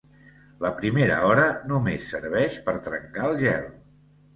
La primera hora només serveix per trencar el gel.